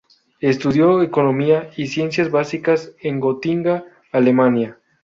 Estudió economía y ciencias básicas en Gotinga, Alemania.